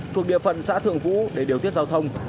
thuộc địa phận xã thượng vũ để điều tiết giao thông